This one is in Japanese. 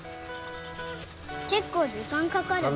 けっこうじかんかかるね。